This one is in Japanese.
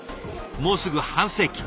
もうすぐ半世紀。